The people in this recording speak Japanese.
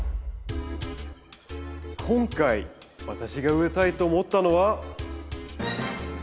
今回私が植えたいと思ったのは。